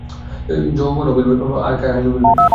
যৌবন ও মিলবে আর কাহিনী ও মিলবে!